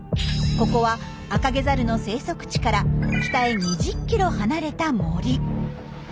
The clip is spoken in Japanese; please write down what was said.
ここはアカゲザルの生息地から北へ２０ｋｍ離れた森。